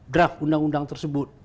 draft undang undang tersebut